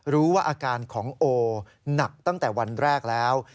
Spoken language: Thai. รู้ว่าอาการของโอหนักตั้งแต่วันแรกแล้ว